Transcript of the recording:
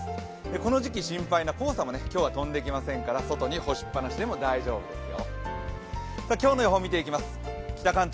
この時期心配な黄砂も今日は飛んできませんから、外に干しっぱなしでも大丈夫ですよ。